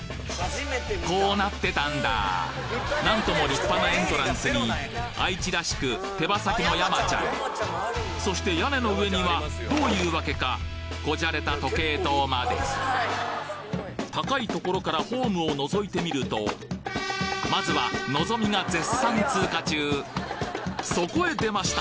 こうなってたんだなんとも立派なエントランスに愛知らしく手羽先の山ちゃんそして屋根の上にはどういうわけか小洒落た時計塔までまずはのぞみが絶賛通過中そこへ出ました！